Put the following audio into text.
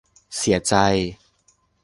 เสียใจ